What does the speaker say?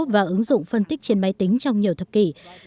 và ứng dụng phân tích trên máy tính trong nhiều thập kỷ